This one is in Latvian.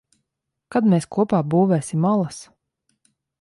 Kad mēs kopā būvēsim alas?